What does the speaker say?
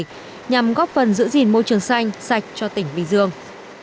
nhằm góp phần giữ gìn môi trường xanh sạch cho tỉnh bình dương